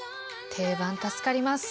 定番助かります。